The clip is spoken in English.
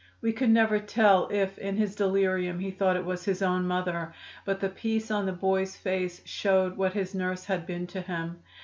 We could never tell if in his delirium he thought it was his own mother, but the peace on the boy's face showed what his nurse had been to him.